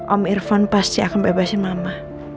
om irfan pasti akan bebasin mama